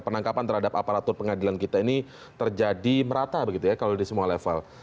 penangkapan terhadap aparatur pengadilan kita ini terjadi merata begitu ya kalau di semua level